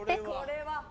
これは。